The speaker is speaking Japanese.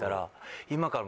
「今から」。